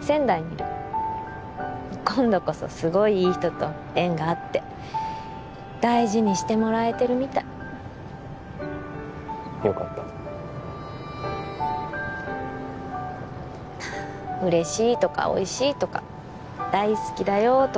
仙台にいる今度こそすごいいい人と縁があって大事にしてもらえてるみたいよかった「嬉しいとかおいしいとか大好きだよとか」